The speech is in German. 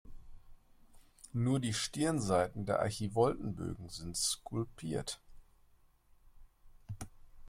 Nur die Stirnseiten der Archivoltenbögen sind skulptiert.